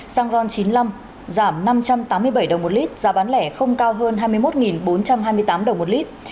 xăng ron chín mươi năm giảm năm trăm tám mươi bảy đồng một lít giá bán lẻ không cao hơn hai mươi một bốn trăm hai mươi tám đồng một lít